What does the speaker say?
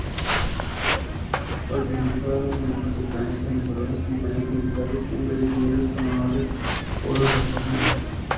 Participaron en consecuencia en numerosas campañas militares, siendo distinguidos con honores por sus actuaciones.